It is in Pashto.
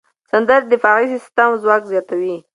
سندرې د دفاعي سیستم ځواک زیاتوي.